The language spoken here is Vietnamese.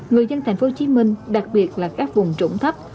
người dân tp hcm đặc biệt là các vùng trũng thấp